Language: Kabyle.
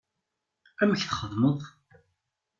Amek txedmeḍ?